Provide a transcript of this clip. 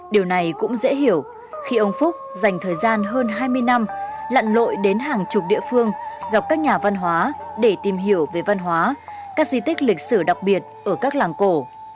điều này cũng dễ hiểu khi ông phúc dành thời gian hơn hai mươi năm lặn lội đến hàng chục địa phương gặp các nhà văn hóa để tìm hiểu về văn hóa các di tích lịch sử đặc biệt ở các làng cổ